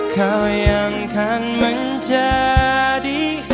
kau yang kan menjadi